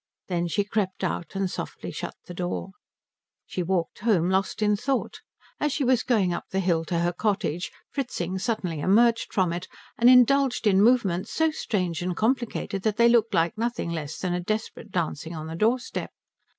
Then she crept out, and softly shut the door. She walked home lost in thought. As she was going up the hill to her cottage Fritzing suddenly emerged from it and indulged in movements so strange and complicated that they looked like nothing less than a desperate dancing on the doorstep.